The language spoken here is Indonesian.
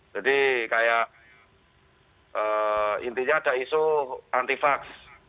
jadi kayak intinya ada isu anti vax